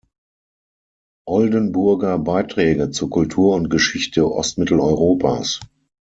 Oldenburger Beiträge zur Kultur und Geschichte Ostmitteleuropas.